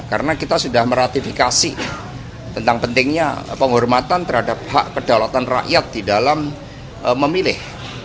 karena kita sudah meratifikasi tentang pentingnya penghormatan terhadap hak kedaulatan rakyat di dalam memilih